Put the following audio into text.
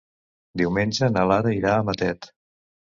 Diumenge na Lara irà a Matet.